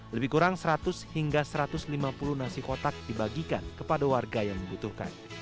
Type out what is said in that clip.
lebih kurang seratus hingga satu ratus lima puluh nasi kotak dibagikan kepada warga yang membutuhkan